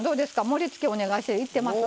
盛りつけお願いしていってます？